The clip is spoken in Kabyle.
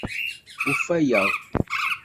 Ufayeɣ.